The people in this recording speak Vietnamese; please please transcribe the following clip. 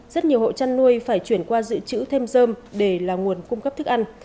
rất nhiều hộ chăn nuôi phải chuyển qua dự trữ thêm dơm để là nguồn cung cấp thức ăn